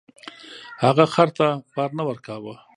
هغه خر ته بار نه ورکاوه.